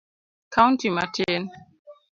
kaunti matin.